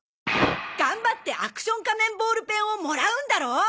頑張ってアクション仮面ボールペンをもらうんだろう！？